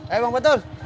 eh bang betul